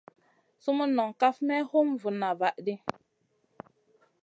Sumun nong kaf may hum vuna van di.